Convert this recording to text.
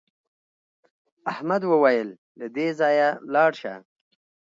احمد وویل له دې ځایه لاړ شه.